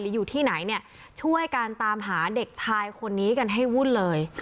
อยู่ที่ไหนเนี่ยช่วยการตามหาเด็กชายคนนี้กันให้วุ่นเลย